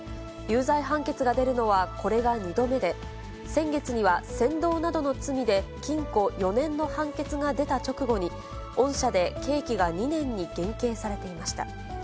有罪判決が出るのはこれが２度目で、先月には扇動などの罪で禁錮４年の判決が出た直後に、恩赦で刑期が２年に減刑されていました。